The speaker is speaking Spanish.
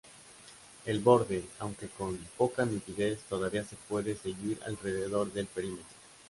El borde, aunque con poca nitidez, todavía se puede seguir alrededor del perímetro.